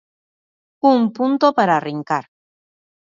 Un punto para arrincar.